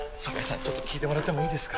ちょっと聞いてもらってもいいですか？